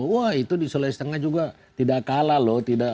wah itu di sulawesi tengah juga tidak kalah loh